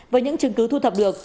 với những chứng cứ thu thập được